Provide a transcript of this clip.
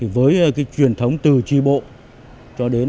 với truyền thống từ tri bộ